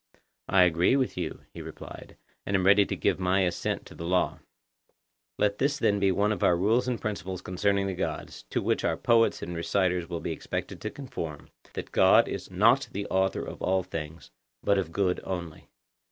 I agree with you, he replied, and am ready to give my assent to the law. Let this then be one of our rules and principles concerning the gods, to which our poets and reciters will be expected to conform,—that God is not the author of all things, but of good only.